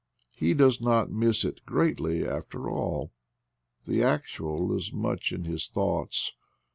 He does not miss it greatly after all. The actual is much in his thoughts.